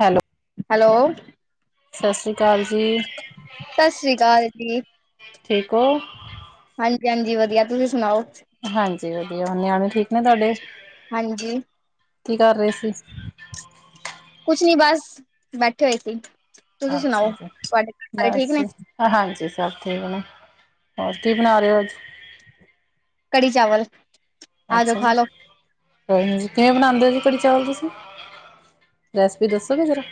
Hello. Hello. ਸਸ਼ ਰੀ ਕਾਲ ਜੀ, ਸਤਿ ਸ੍ਰੀ ਅਕਾਲ ਜੀ ਠੀਕ ਹੋ। ਹਾਂਜੀ- ਹਾਂਜੀ ਵਧੀਆ, ਤੁਸੀਂ ਸੁਣਾਓ। ਹਾਂਜੀ ਵਧੀਆ, ਨਿਆਣੇ ਠੀਕ ਨੇ ਤੁਹਾਡੇ, ਹਾਂਜੀ ਕੀ ਕਰ ਰਹੇ ਸੀ? ਕੁਛ ਨੀ ਬਸ ਬੈਠੇ ਹੋਏ ਸੀ, ਤੁਸੀਂ ਸੁਣਾਓ, ਅੱਛਾ ਜੀ ਤੁਹਾਡੇ ਸਾਰੇ ਠੀਕ ਬਸ ਨੇ। ਹਾਂਜੀ ਸਭ ਠੀਕ ਨੇ, ਹੋਰ ਕੀ ਬਣਾ ਰਹੇ ਹੋ ਅੱਜ। ਕੜੀ ਚਾਵਲ। ਆ ਜਾਓ ਅੱਛਾ ਖਾ ਜੀ। ਲੋ ਹੋਰ ਜੀ ਕਿਵੇਂ ਬਣਾਂਦੇ ਜੀ ਕੜੀ ਚਾਵਲ ਤੁਸੀਂ, ਰੈਸਪੀ ਦੱਸੋਗੇ ਜਰਾ।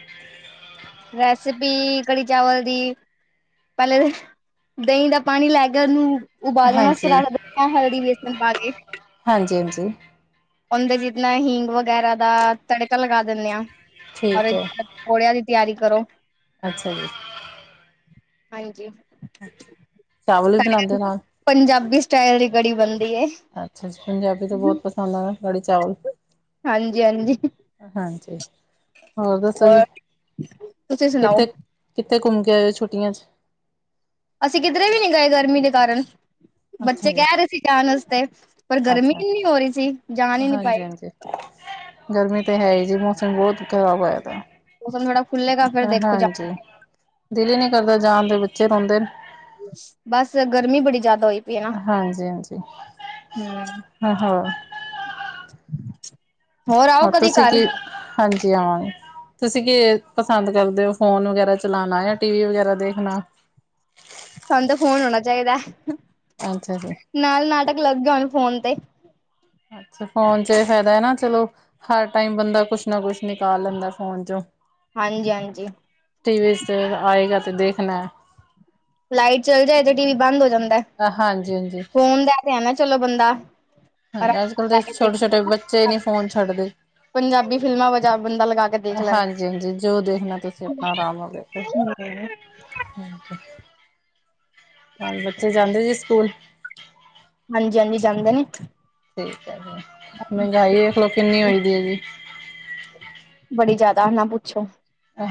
ਰੈਸਪੀ ਕੜੀ ਚਾਵਲ ਦੀ। ਪਹਿਲੇ ਦਹੀਂ ਦਾ ਪਾਣੀ ਲੈ ਕੇ ਉਹਨੂੰ ਉਬਾਲਣਾ ਸਾਰਾ ਹਾਂਜੀ ਰੱਖਿਆ ਹੋਇਆ ਵਾ, ਹਲਦੀ ਬੇਸਣ ਪਾਕੇ। ਹਾਂਜੀ ਹਾਂਜੀ ਅੰਦਰ ਇਤਨੇ ਹੀਂਗ ਵਗੈਰਾ ਦਾ ਤੜਕਾ ਲਗਾ ਦਿੰਦੇ ਆਂ, ਠੀਕ ਔਰ ਹੈ ਔਲਿਆਂ ਦੀ ਤਿਆਰੀ ਕਰੋ। ਅੱਛਾ ਜੀ। ਹਾਂਜੀ, ਚਾਵਲ ਵੀ ਬਣਾਉਂਦੇ ਹੋ [unintelligible] ਨਾਲ ਪੰਜਾਬੀ ਸਟਾਈਲ ਦੀ ਕੜੀ ਬਣਦੀ ਹੈ। ਅੱਛਾ ਜੀ, ਪੰਜਾਬੀ ਤੋਂ ਬਹੁਤ ਪਸੰਦ ਆ ਨਾ ਕੜੀ ਚਾਵਲ। ਹਾਂਜੀ ਹਾਂਜੀ। ਹਾਂਜੀ, ਹੋਰ ਦੱਸੋ ਜੀ, ਤੁਸੀਂ ਸੁਣਾਓ ਕਿੱਥੇ? ਕਿੱਥੇ ਘੁੰਮ ਕੇ ਆਏ ਓ ਛੁੱਟੀਆਂ ਚ? ਅਸੀਂ ਕਿਧਰੇ ਵੀ ਨਹੀਂ ਗਏ ਗਰਮੀ ਦੇ ਕਾਰਨ, ਅੱਛਾ ਬੱਚੇ ਜੀ ਕਹਿ ਰਹੇ ਸੀ ਜਾਣ ਵਾਸਤੇ। ਪਰ ਗਰਮੀ ਅੱਛਾ ਇੰਨੀ ਹੋ ਰਹੀ ਸੀ ਜਾ ਹੀ ਨਹੀਂ ਪਾਏ। ਹਾਂਜੀ-ਹਾਂਜੀ ਗਰਮੀ ਤਾਂ ਹੈ ਹੀ ਜੀ, ਮੌਸਮ ਬਹੁਤ ਖ਼ਰਾਬ ਹੋਇਆ ਪਿਆ। ਮੌਸਮ ਥੋੜਾ ਖੁੱਲੇਗਾ ਫਿਰ ਦੇਖੋ ਜਾ ਹਾਂਜੀ, ਦਿਲ ਹੀ ਨਹੀਂ ਕਰਦਾ ਜਾਣ ਦੇ ਬੱਚੇ ਰੋਂਦੇ ਨੇ। ਬਸ ਗਰਮੀ ਬੜੀ ਜਿਆਦਾ ਹੋਈ ਪ ਗੀਆ ਹਾਂਜੀ-ਹਾਂਜੀ। ਹਮ ਹਾਂ-ਹਾਂ ਆਓ ਹੋਰ ਕਦੀ ਤੁਸੀਂ ਘਰ ਕੀ? ਹਾਂਜੀ ਹਾਂ ਤੁਸੀਂ ਕੀ ਪਸੰਦ ਕਰਦੇ ਹੋ? ਫੋਨ ਵਗੈਰਾ ਚਲਾਣਾ, ਜਾਂ ਟੀ ਵੀ ਵਗੈਰਾ ਦੇਖਣਾ? ਸਾਨੂੰ ਤੇ ਫ਼ੋਨ ਹੋਣਾ ਚਾਹੀਦਾ। ਅੱਛਾ ਜੀ। ਨਾਲ ਨਾਟਕ ਲੱਗੇੇ ਹੋਣ ਫੋਨ ਤੇ। ਅੱਛਾ ਫੋਨ ਚ ਇਹ ਫਾਇਦਾ ਹੈ ਨਾ ਚਲੋ ਹਰ ਟਾਈਮ ਬੰਦਾ ਕੁਛ ਨਾ ਕੁਛ ਨਿਕਾਲ ਲੈਂਦਾ ਫੋਨ ਚੋਂ। ਹਾਂਜੀ ਹਾਂਜੀ। ਟੀਵੀ ਚ ਤੇ ਫਿਰ ਆਏਗਾ ਤੇ ਦੇਖਣਾ। ਲਾਈਟ ਚਲ ਜਾਏ ਤੇ ਟੀ ਵੀ ਬੰਦ ਹੋ ਜਾਂਦਾ, ਹਾਂਜੀ-ਹਾਂਜੀ ਹਾਂਜੀ ਫੋਨ ਦਾ ਤੇ ਹੈ ਨਾ ਚਲੋ ਬੰਦਾ ਹਾਂਜੀ ਆਰਾਮ ਅੱਜ ਕੱਲ੍ਹ ਦੇ ਛੋਟੇ ਛੋਟੇ ਬੱਚੇ ਦੇਖ ਨਹੀਂ ਫੋਨ ਛੱਡਦੇ। ਪੰਜਾਬੀ ਫਿਲਮਾਂ ਵਜਾ ਬੰਦਾ ਲਗਾ ਕੇ ਦੇਖ ਲੈਂਦਾ ਹਾਂਜੀ ਹਾਂਜੀ, ਜੋ ਦੇਖਣਾ ਤੁਸੀਂ ਆਪਣਾ ਆਰਾਮ ਨਾਲ ਦੇਖੋ। [unintelligible] [inaudible] ਹੋਰ ਬੱਚੇ ਜਾਂਦੇ ਜੀ ਸਕੂਲ? ਹਾਂਜੀ ਹਾਂਜੀ ਜਾਂਦੇ ਨੇ। ਠੀਕ ਹੈ ਜ, ਮਹਿੰਗਾਈ ਦੇਖਲੋ ਕਿੰਨੀ ਹੋਈ ਦੀ ਹੈ ਜੀ। ਬੜੀ ਜਿਆਦਾ ਨਾ ਪੁੱਛੋ।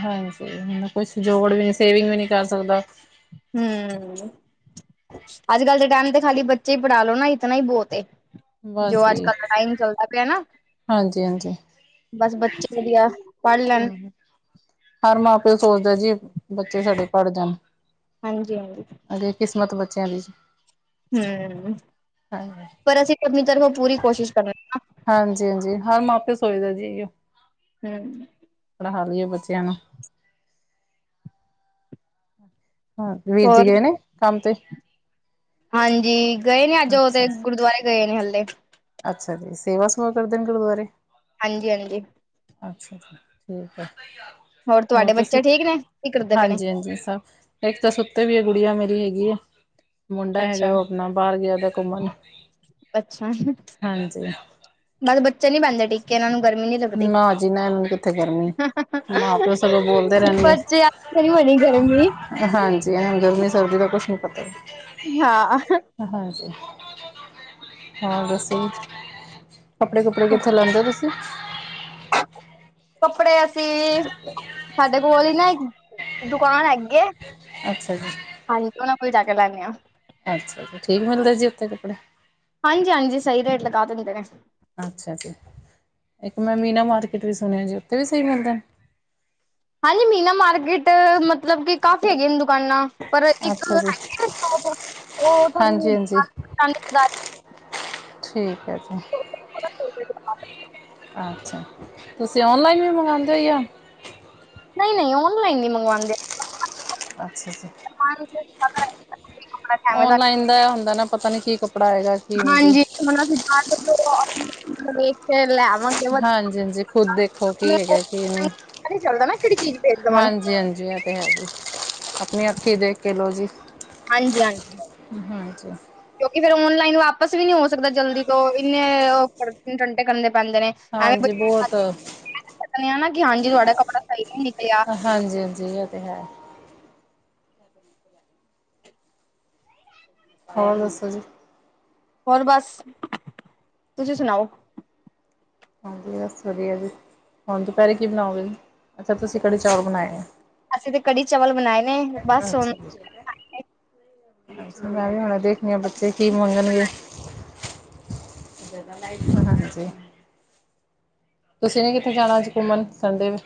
ਹਾਂਜੀ, ਹ ਕੁਛ ਜੋੜ ਵੀ ਸੇਵਿੰਗ ਵੀ ਨਹੀਂ ਕਰ ਸਕਦਾ। ਹਮ। ਅੱਜ ਕੱਲ੍ਹ ਦੇ ਟਾਈਮ ਤੇ ਖਾਲੀ ਬੱਚੇ ਹੀ ਪੜ੍ਹਾਲੋ ਨਾ ਇਤਨਾ ਹੀ ਬਹੁਤ ਏ। ਜੋ ਅੱਜ ਕੱਲ ਦਾ ਟਾਈਮ ਚੱਲਦਾ ਪਿਆ ਨਾ। ਹਾਂਜੀ-ਹਾਂਜੀ। ਬਸ ਬੱਚੇ ਵਧੀਆ ਪੜ੍ਹ ਲੈਣ ਹਰ ਮਾਂ-ਪਿਓ ਸੋਚਦਾ ਜੀ ਬੱਚੇ ਸਾਡੇ ਪੜ ਜਾਣ। ਹਾਂਜੀ-ਹਾਂਜੀ। ਅਗੇ ਕਿਸਮਤ ਬੱਚਿਆਂ ਦੀ। ਹਮ, ਹਾਂਜੀ ਪਰ ਅਸੀਂ ਆਪਣੀ ਤਰਫੋਂ ਪੂਰੀ ਕੋਸ਼ਿਸ਼ ਕਰ ਹਾਂਜੀ-ਹਾਂਜੀ। ਹਰ ਮਾਂਪੇ ਸੋਚਦਾ ਜੀ। ਹਮ। ਪੜ੍ਹਾ ਲਈਏ ਬੱਚਿਆਂ ਨੂੰ। ਹਾਂ, ਵੀਰ ਜੀ ਹੋਰ ਗਏ ਨੇ ਕੰਮ ਤੇ? ਹਾਂਜੀ। ਗਏ ਨੇ ਅੱਜ ਉਹ ਅੱਛਾ ਤੇ ਗੁਰਦੁਆਰੇ ਗਏ ਨੇ ਹਲੇੇ। ਅੱਛਾ ਜੀ। ਸੇਵਾ ਸੂਵਾ ਕਰਦੇ ਨੇ ਗੁਰਦੁਆਰੇ? ਹਾਂਜੀ-ਹਾਂਜੀ। ਅੱਛਾ ਛਾ, ਠੀਕ ਹੈ, ਹੋਰ ਤੁਹਾਡੇ ਤੁਸੀਂ, ਬੱਚੇ ਠੀਕ ਨੇ ਕੀ ਕਰਦੇ ਪਏ ਨੇ ਹਾਂਜੀ ਹਾਂਜੀ ਸਭ ਇੱਕ ਤਾਂ ਸੁੱਤੇ ਪਈ ਆ ਗੁੜੀਆ ਮੇਰੀ ਹੈਗੀ ਏ। ਮੁੰਡਾ ਹੈਗਾ ਅੱਛਾ ਉਹ ਆਪਣਾ ਬਾਹਰ ਗਿਆ ਦਾ ਘੁੰਮਣ। ਹਾਂਜੀ। ਨਾਲੇ ਬੱਚੇ ਨੀ ਬਹਿੰਦੇ ਟਿਕ ਕੇ ਇਹਨਾਂ ਨੂੰ ਗਰਮੀ ਨੀ ਲੱਗਦੀ, ਨਾ ਜੀ ਨਾ ਇਹਨਾਂ ਕਿੱਥੇ ਗਰਮੀ ਮਾਂ ਪਿਓ ਸਗੋਂ ਬੋਲਦੇ ਰਹਿਣਗੇ ਬੱਚਿਆਂ ਮੈਨੂੰ ਏਨੀ ਗਰਮੀ। ਹਾਂਜੀ, ਇਹਨਾਂ ਨੂੰ ਗਰਮੀ-ਸਰਦੀ ਦਾ ਕੁਛ ਨੀ ਪਤਾ। ਹਾਂ। ਹਾਂਜੀ, ਹੋਰ ਦੱਸੋ। ਕੱਪੜੇ ਕੁਪੜੇ ਕਿੱਥੋਂ ਲੈਂਦੇ ਤੁਸੀਂ। ਕੱਪੜੇ ਅਸੀਂ, ਸਾਡੇ ਕੋਲ ਹੀ ਨਾ ਇੱਕ ਦੁਕਾਨ ਹੈਗੀ ਐ। ਅੱਛਾ ਜੀ। ਹਾਂਜੀ, ਉਹਨਾਂ ਕੋਲ ਜਾ ਕੇ ਲੈਨੇ ਆਂ। ਅੱਛਾ ਜੀ, ਠੀਕ ਮਿਲਦੇ ਜੀ ਉੱਥੇ ਕੱਪੜਾ। ਹਾਂਜੀ-ਹਾਂਜੀ, ਸਹੀ ਰੇਟ ਲਗਾ ਦਿੰਦੇ ਨੇ। ਅੱਛਾ ਜੀ, ਇੱਕ ਮੈਂ ਮੀਨਾ ਮਾਰਕੀਟ ਵੀ ਸੁਣਿਆ ਜੀ, ਉੱਥੇ ਵੀ ਸਹੀ ਮਿਲਦਾ। ਹਾਂਜੀ ਮੀਨਾ ਮਾਰਕੀਟ, ਮਤਲਬ ਕਿ ਕਾਫੀ ਹੈਗੀਆਂ ਨੇ ਦੁਕਾਨਾਂ। ਪਰ ਇੱਕ ਅੱਛਾ ਜੀ ਹੈਗੀ ਦੁਕਾਨ ਉਹ ਹਾਂਜੀ ਥੋੜੀ [inaudible] ਹਾਂਜੀ ਠੀਕ ਐ ਜੀ। ਅੱਛਾ, ਤੁਸੀਂ ਔਨਲਾਈਨ ਵੀ ਮੰਗਵਾਉਂਦੇ ਹੋ, ਜਾਂ ਨਹੀਂ, ਔਨਲਾਈਨ ਨੀ ਮੰਗਵਾਂਦੇ ਆਪਾਂ। ਅੱਛਾ ਜੀ। [inaudible] ਔਨਲਾਈਨ ਦਾ ਐ ਹੁੰਦਾ ਨਾ, ਪਤਾ ਨੀ ਕੀ ਕੱਪੜਾ ਆਏਗਾ। ਹਾਂਜੀ, [inaudible] ਉਹ ਦੇਖ ਕੇ ਲੈ। ਹਾਂਜੀ-ਹਾਂਜੀ, ਖੁਦ ਦੇਖੋ ਕੀ ਹੈਗਾ ਕੀ ਨਹੀਂ, ਚੱਲਦਾ ਨਾ ਕਿਹੜੀ ਚੀਜ਼ ਭੇਜ ਦੇਵਣ ਹਾਂਜੀ-ਹਾਂਜੀ। ਇਹ ਤੇ ਹੈ ਜੀ, ਆਪਣੀ ਅੱਖੀਂ ਦੇਖ ਕੇ ਲਓ ਜੀ। ਹਾਂਜੀ-ਹਾਂਜੀ। ਹਾਂਜੀ। ਕਿਉਂਕਿ ਫੇਰ ਔਨਲਾਈਨ ਵਾਪਸ ਵੀ ਨੀ ਹੋ ਸਕਦਾ ਜਲਦੀ ਤੋ, ਇੰਨੇ ਉਹ ਟੰਟੇ ਕਰਨੇ ਪੈਂਦੇ ਨੇ। ਐਵੇਂ ਹਾਂਜੀ ਬਹੁਤ ਆ ਨਾ, ਕਿ ਹਾਂਜੀ ਤੁਹਾਡਾ ਕੱਪੜਾ ਸਹੀ ਨਹੀਂ ਨਿਕਲਿਆ। ਹਾਂਜੀ-ਹਾਂਜੀ, ਇਹ ਤੇ ਹੈ। ਹੋਰ ਦੱਸੋ ਜੀ। ਹੋਰ ਬਸ, ਤੁਸੀਂ ਸੁਣਾਓ। ਹਾਂਜੀ ਬਸ ਵਧੀਆ ਜੀ, ਹੁਣ ਦੁਪਹਿਰੇ ਕੀ ਬਣਾਓਗੇ ਜੀ, ਅੱਛਾ ਤੁਸੀਂ ਕੜੀ ਚੌਲ ਬਣਾਏ ਐ। ਅਸੀਂ ਤੇ ਕੜੀ ਚਾਵਲ ਬਣਾਏ ਨੇ, ਬਸ ਹੁਣ ਅੱਛਾ ਜੀ ਮੈਂ ਵੀ ਹੁਣੇ ਦੇਖਣੀ ਆ, ਬੱਚੇ ਕੀ ਮੰਗਣਗੇ। ਜਾਦਾ ਲਾਈਟ ਨਾ ਬਣਜੇ। ਤੁਸੀਂ ਨੇ ਕਿੱਥੇ ਜਾਣਾ ਅੱਜ ਘੁੰਮਣ, ਸੰਡੇ ਵੇ।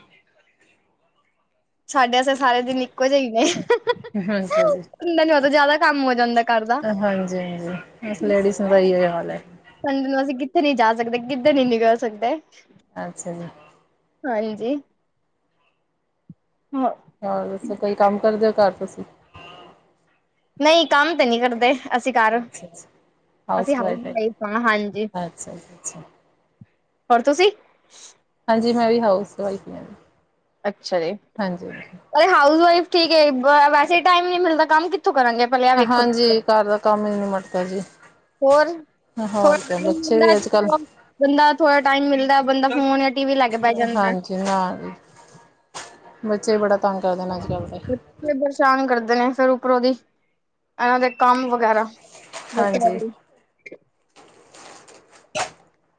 ਸਾਡੇ ਵਾਸਤੇ ਸਾਰੇ ਦਿਨ ਇੱਕੋ ਜਿਹੇ ਹੀ ਨੇ। ਅੱਛਾ ਜੀ। ਸੰਡੇ ਨੂੰ ਤਾਂ ਜ਼ਾਦਾ ਕੰਮ ਹੋ ਜਾਂਦਾ ਘਰ ਦਾ। ਹਾਂਜੀ- ਹਾਂਜੀ, ਬਸ ਲੇਡੀਜ਼ ਦਾ ਇਹੀਓ ਹਾਲ ਐ। ਸੰਡੇ ਨੂੰ ਅਸੀਂ ਕਿੱਥੇ ਨਹੀਂ ਜਾ ਸਕਦੇ, ਕਿੱਧਰ ਨੀ ਨਿਕਲ ਸਕਦੇ। ਅੱਛਾ ਜੀ। ਹਾਂਜੀ ਮ ਹੋਰ ਦੱਸੋ, ਕੋਈ ਕੰਮ ਕਰਦਿਓ ਘਰ ਤੁਸੀਂ। ਨਹੀਂ ਕੰਮ ਤੇ ਨਹੀਂ ਕਰਦੇ, ਅਸੀਂ ਘਰ। ਅੱਛਾ ਜੀ, ਅਸੀਂ ਹਾਊਸ ਵਾਈਫ ਹਾਂ ਹਾਂਜੀ, ਅੱਛਾ ਜੀ ਅੱਛਾ, ਹੋਰ ਤੁਸੀਂ ਹਾਂਜੀ, ਮੈਂ ਵੀ ਹਾਊਸ ਵਾਈਫ ਹੀ ਹਾਂ। ਅੱਛਾ ਜੀ, ਹਾਂਜੀ, ਅਰੇ ਹਾਊਸ ਵਾਈਫ ਠੀਕ ਐ, ਵੈਸੇ ਟਾਈਮ ਨਹੀਂ ਮਿਲਦਾ, ਕੰਮ ਕਿੱਥੋਂ ਕਰਾਂਗੇ। ਪਹਿਲੇ ਆ ਵੇਖੋ ਹਾਂਜੀ, ਘਰ ਦਾ ਕੰਮ ਈ ਨਹੀਂ ਮੁੱਕਦਾ ਜੀ। ਹੋਰ ਥੋੜਾ ਹੋਰ ਕਿਆ ਟਾਈਮ ਬੱਚੇ ਵੀ ਅੱਜ-ਕੱਲ੍ਹ ਹੁੰਦਾ [inaudible] ਬੰਦਾ ਥੋੜ੍ਹਾ ਟਾਈਮ ਮਿਲਦਾ ਬੰਦਾ ਫੋਨ ਜਾਂ ਟੀ ਵੀ ਲੈ ਕੇ ਬੈ ਜਾਂਦਾ। ਹਾਂਜੀ ਨਾ ਬੱਚੇ ਬੜਾ ਤੰਗ ਕਰਦੇ ਨੇ ਅੱਜ ਕੱਲ ਤੇ ਬੱਚੇ ਪਰੇਸ਼ਾਨ ਕਰਦੇ ਨੇ ਫਿਰ ਉਪਰੋਂ ਦੀ ਇਹਨਾਂ ਦੇ ਕੰਮ ਵਗੈਰਾ ਬੱਚਿਆਂ ਹਾਂਜੀ, ਲਈ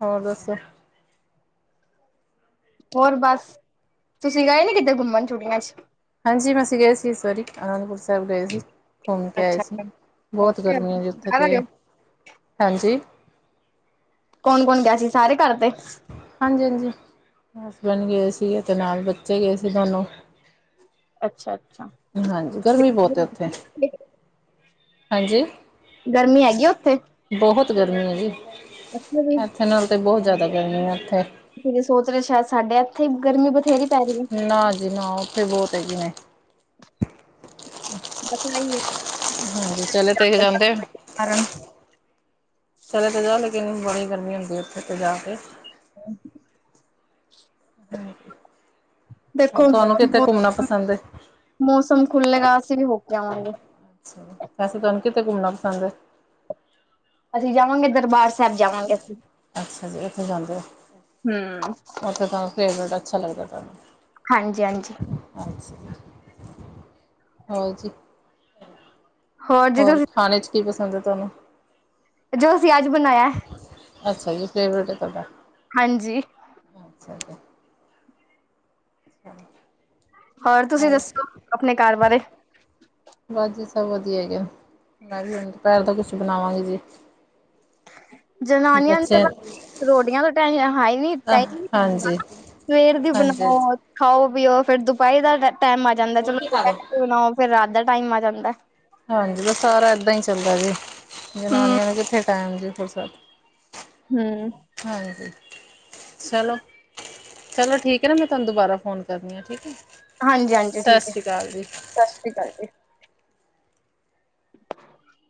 ਹੋਰ ਦੱਸੋ। ਹੋਰ ਬਸ ਤੁਸੀਂ ਗਏ ਨੀ ਕਿਤੇ ਘੁੰਮਣ ਛੁਟੀਆਂ 'ਚ ਹਾਂਜੀ ਮੈਂ ਅਸੀਂ ਗਏ ਸੀ ਇਸ ਵਾਰੀ ਅਨੰਦਪੁਰ ਸਾਹਿਬ ਗਏ ਸੀ ਘੁੰਮ ਕੇ ਆਏ ਅੱਛਾ ਸੀ। ਹੋ ਬਹੁਤ ਗਰਮੀ ਆਂ ਜੀ ਉੱਥੇ ਘਰ ਤੇ ਆਇਓ ਹਾਂਜੀ। ਕੌਣ- ਕੌਣ ਗਿਆ ਸੀ ਸਾਰੇ ਘਰ ਦੇ ਹਾਂਜੀ- ਹਾਂਜੀ ਹਸਬੈਂਡ ਗਏ ਸੀਗੇ ਤੇ ਨਾਲ ਬੱਚੇ ਗਏ ਸੀ ਦੋਨੋਂ ਅੱਛਾ- ਅੱਛਾ ਹਾਂਜੀ ਗਰਮੀ ਬਹੁਤ ਏ ਉਥੇ ਹਾਂਜੀ ਗਰਮੀ ਹੈਗੀ ਏ ਉਥੇ ਬਹੁਤ ਗਰਮੀ ਹੈ ਜੀ ਇੱਥੇ ਨਾਲ ਤੇ ਬਹੁਤ ਜ਼ਿਆਦਾ ਗਰਮੀ ਆ ਉਥੇ ਤੁਹੀ ਕਿ ਸੋਚ ਰਹੇ ਸ਼ਾਇਦ ਸਾਡੇ ਇੱਥੇ ਇ ਗਰਮੀ ਬਥੇਰੀ ਪੈ ਰਹੀ ਏ। ਨਾ ਜੀ ਨਾ ਉੱਥੇ ਬਹੁਤ ਹੈਗੀ ਨੇ। [unintelligible] [inaudible] ਹਾਂਜੀ ਚੱਲ ਤੁਸੀ ਜਾਂਦੇ ਹੋ। ਅਰਨ [inaudible] ਚਲੇ ਤਾਂ ਜਾ ਲੇਕਿਨ ਬੜੀ ਗਰਮੀ ਹੁੰਦੀ ਉੱਥੇ ਤੇ ਜਾ ਕੇ ਹੂੰ [inaudible] [inaudible] ਦੇਖੋ ਤੁਹਾਨੂੰ ਕਿਤੇ ਘੁੰਮਣਾ ਪਸੰਦ ਹੈ? ਮੌਸਮ ਖੁੱਲੇਗਾ ਅਸੀਂ ਵੀ ਹੋ ਕੇ ਆਵਾਂਗੇ। ਵੈਸੇ ਤੁਹਾਨੂੰ ਕਿਥੇ ਘੁੰਮਣਾ ਪਸੰਦ ਹੈ। ਅਸੀਂ ਜਾਵਾਂਗੇ ਦਰਬਾਰ ਸਾਹਿਬ ਜਾਵਾਂਗੇ ਅਸੀਂ ਅੱਛਾ ਜੀ ਉਥੇ ਜਾਂਦੇ ਹਮ ਉਥੇ ਤੁਹਾਨੂੰ ਫੇਵਰੇਟ ਅੱਛਾ ਲੱਗਦਾ ਤੁਹਾਨੂੰ ਹਾਂਜੀ- ਹਾਂਜੀ ਅੱਛਾ ਜੀ ਹੋਰ ਜੀ। ਜੀ ਹੋਰ ਤੁਸੀਂ ਖਾਣੇ 'ਚ ਕੀ ਪਸੰਦ ਹੈ ਤੁਹਾਨੂੰ ਜੋੋਂ ਅਸੀਂ ਅੱਜ ਬਣਾਇਆ। ਅੱਛਾ ਜੀ ਫੇਵਰੇਟ ਹੈ ਤੁਹਾਡਾ ਹਾਂਜੀ ਅੱਛਾ [inaudible] ਹੋਰ ਤੁਸੀਂ ਦੱਸੋ ਆਪਣੇ ਘਰ ਬਾਰੇ ਬਸ ਜੀ ਸਭ ਵਧੀਆ ਹੈਗੇ ਮੈਂ ਵੀ ਹੁਣ ਦੁਪਿਹਰ ਤਾ ਕੁਛ ਬਣਾਵਾਂਗੀ ਜੀ। ਜਨਾਨੀਆਂ ਨੂੰ ਤੇ ਬੱਚੇ ਬਸ ਰੋਟੀਆਂ ਤੋਂ ਟੈਸ਼ਨ ਹੈ ਹੀ ਹਾਂਜੀ ਨੀ [unintelligible] ਹਾਂਜੀ ਸਵੇਰ ਦੀ ਹਾਂਜੀ ਬਣਾਓ ਖਾਓ ਪੀਓ ਫਰ ਦੁਪਹਿਰ ਦਾ ਟੈਮ ਆ ਜਾਂਦਾ ਹੋਰ ਚਲੋ, ਕੀ ਖਾ ਲੋ ਦੁਪਹਿਰੇ ਬਣਾਓ ਫਿਰ ਰਾਤ ਦਾ ਟਾਈਮ ਆ ਜਾਂਦਾ। ਹਾਂਜੀ ਤਾਂ ਸਾਰਾ ਇੱਦਾਂ ਹੀ ਚੱਲਦਾ ਜੇ ਹਮ ਜਨਾਨੀਆਂ ਨੇ ਕਿੱਥੇ ਟਾਈਮ ਜੀ ਥੋੜ੍ਹਾ ਸ ਹੂੰ ਹਾਂਜੀ ਚਲੋ- ਚਲੋ ਠੀਕ ਹੈ ਨਾ ਮੈਂ ਤੁਹਾਨੂੰ ਦੁਬਾਰਾ ਫੋਨ ਕਰਦੀ ਆ ਠੀਕ ਹੈ। ਹਾਂਜੀ -ਹਾਂਜੀ ਸਤਿ ਠੀਕ ਹੈ ਸ਼੍ਰੀ ਅਕਾਲ ਜੀ ਸਤਿ ਸ੍ਰੀ ਅਕਾਲ ਜੀ। [inaudible]